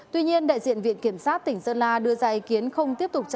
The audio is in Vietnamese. tuy nhiên đại diện viện kiểm sát tỉnh sơn la đưa ra ý kiến không tiếp tục diễn ra